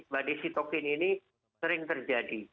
badai sitokin ini sering terjadi